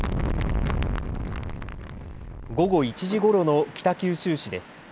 午後１時ごろの北九州市です。